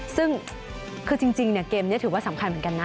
ซึ่งคือจริงเกมนี้ถือว่าสำคัญเหมือนกันนะ